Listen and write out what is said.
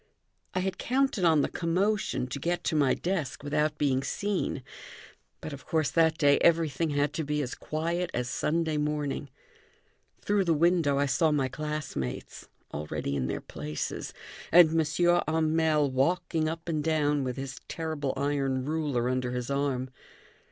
I had counted on the commotion to get to my desk without being seen; but, of course, that day everything had to be as quiet as Sunday morning. Through the window I saw my classmates, already in their places, and M. Hamel walking up and down with his terrible iron ruler under his arm.